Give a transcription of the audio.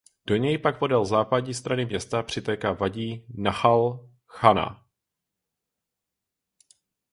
Do něj pak podél západní strany města přitéká vádí Nachal Chana.